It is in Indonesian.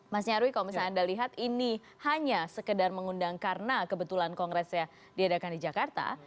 mas nyarwi kalau misalnya anda lihat ini hanya sekedar mengundang karena kebetulan kongresnya diadakan di jakarta